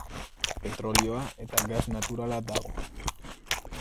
Petrolioa eta gas naturala dago.